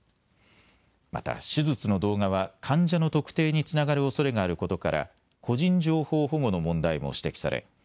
また手術の動画は患者の特定につながるおそれがあることから個人情報保護の問題も指摘され